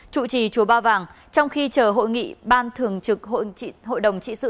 chủ trì chùa ba vàng trong khi chờ hội nghị ban thường trực hội đồng trị sự